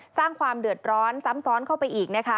สร้างความเดือดร้อนซ้ำซ้อนเข้าไปอีกนะคะ